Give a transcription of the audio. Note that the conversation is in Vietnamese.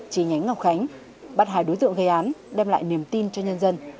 chi nhánh ngọc khánh bắt hài đối dựng gây án đem lại niềm tin cho nhân dân